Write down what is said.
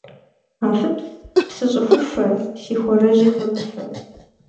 Афыпс, псы щӏыхуфэ, си хуарэжьыр хэмыфэ.